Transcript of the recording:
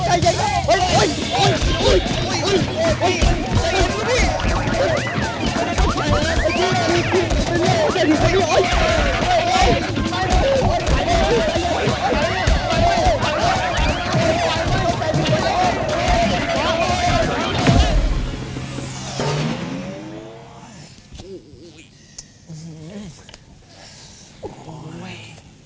ใจเย็นพี่